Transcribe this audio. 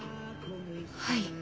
はい。